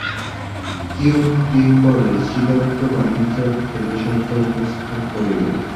কিয়ৎ দিন পরে শ্রীদত্ত বাণিজ্যার্থে দেশান্তর প্রস্থান করিল।